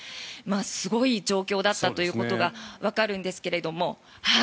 すごい状況だったということがわかるんですけども